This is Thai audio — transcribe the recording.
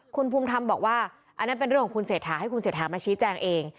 คุณภูมิธรรมบอกว่าอันนั้นเป็นเรื่องของคุณเศรษฐาให้คุณเศรษฐามาชี้แจงเอง